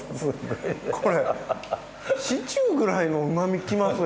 これシチューぐらいのうまみきますよ。